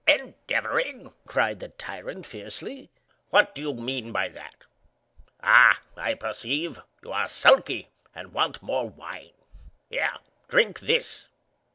"Endeavoring!" cried the tyrant, fiercely; "what do you mean by that? Ah, I perceive. You are sulky, and want more wine. Here, drink this!"